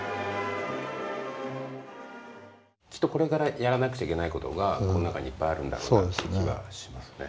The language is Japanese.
きっとこれからやらなくちゃいけない事がこの中にいっぱいあるんだろうなという気はしますね。